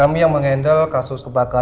atau yang kamu gosong saja